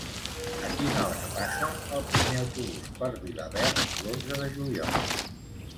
A quina hora passa el primer autobús per Vilaverd l'onze de juliol?